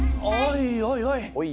おいおいおい。